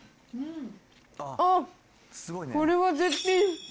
あっ、これは絶品。